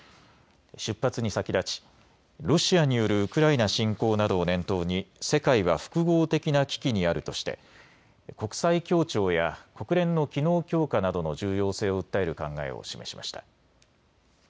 出発に先立ち、ロシアによるウクライナ侵攻などを念頭に世界は複合的な危機にあるとして国際協調や国連の機能強化などの重要性を訴える考えを示しました。